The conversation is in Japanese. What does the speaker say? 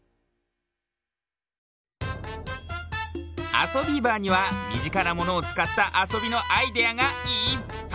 「あそビーバー」にはみぢかなものをつかったあそびのアイデアがいっぱい！